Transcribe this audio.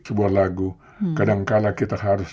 sebuah lagu kadangkala kita harus